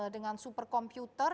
dengan super computer